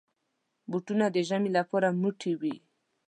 بوټونه د ژمي لپاره موټي وي.